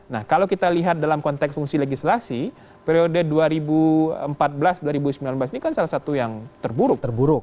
nah kalau kita lihat dalam konteks fungsi legislasi periode dua ribu empat belas dua ribu sembilan belas ini kan salah satu yang terburuk terburuk